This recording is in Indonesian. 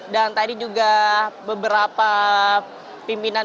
dan tadi juga beberapa pimpinan